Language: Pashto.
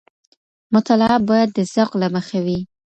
مطالعه باید د ذوق له مخې وي.